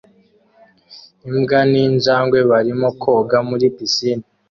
Imbwa n'injangwe barimo koga muri pisine